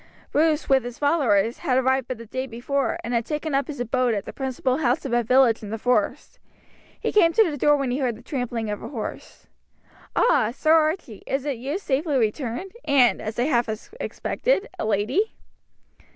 Bruce, with his followers, had arrived but the day before, and had taken up his abode at the principal house of a village in the forest. He came to the door when he heard the trampling of a horse. "Ah! Sir Archie, is it you safely returned, and, as I half expected, a lady?"